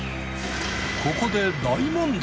ここで大問題！